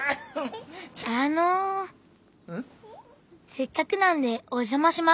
せっかくなんでお邪魔します。